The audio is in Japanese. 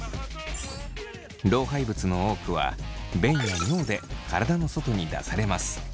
老廃物の多くは便や尿で体の外に出されます。